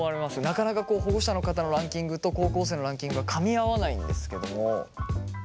なかなか保護者の方のランキングと高校生のランキングがかみ合わないんですけども。